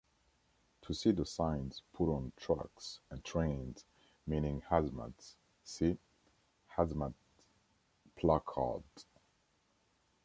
To see the signs put on trucks and trains meaning hazmats see: Hazmat Placards.